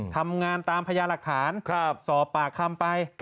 ทำงานตามพญาหลักฐานสอบปากคำไป